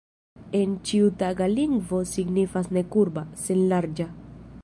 En ĉiutaga lingvo signifas ne kurba, sen larĝa.